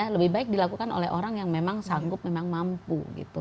lebih baik dilakukan oleh orang yang memang sanggup memang mampu gitu